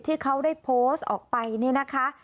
ที่เขาได้โพสต์ออกไปนี่นะคะ